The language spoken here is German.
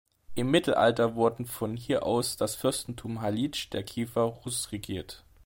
Im Mittelalter wurde von hier aus das Fürstentum Halitsch der Kiewer Rus regiert.